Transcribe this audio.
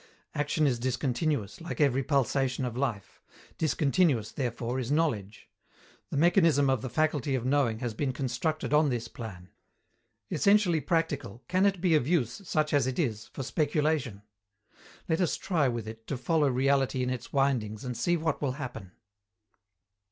Action is discontinuous, like every pulsation of life; discontinuous, therefore, is knowledge. The mechanism of the faculty of knowing has been constructed on this plan. Essentially practical, can it be of use, such as it is, for speculation? Let us try with it to follow reality in its windings, and see what will happen.